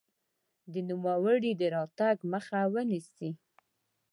د نوموړي د راتګ مخه ونیسي.